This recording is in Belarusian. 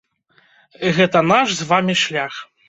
Гэта наш з вамі шлях.